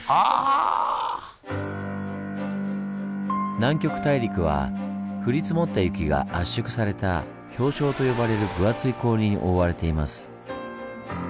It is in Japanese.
南極大陸は降り積もった雪が圧縮された「氷床」と呼ばれる分厚い氷に覆われています。